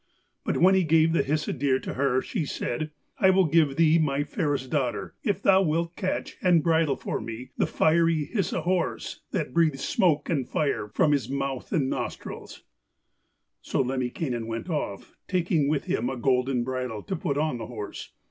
But when he gave the Hisi deer to her, she said: 'I will give thee my fairest daughter if thou wilt catch and bridle for me the fiery Hisi horse, that breathes smoke and fire from his mouth and nostrils.' So Lemminkainen went off, taking with him a golden bridle to put on the horse.